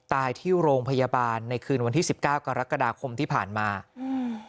ตายที่โรงพยาบาลในคืนวันที่สิบเก้ากรกฎาคมที่ผ่านมาอืม